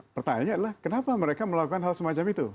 pertanyaannya adalah kenapa mereka melakukan hal semacam itu